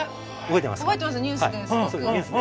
覚えてますニュースで。